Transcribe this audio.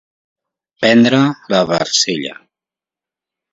Prendre la barcella.